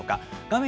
画面